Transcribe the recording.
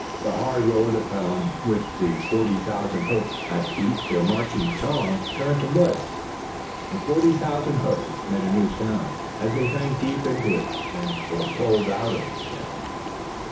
The hard road upon which the forty thousand hoofs had beat their marching song turned to mud, and forty thousand hoofs made a new sound, as they sank deep in it, and were then pulled out again.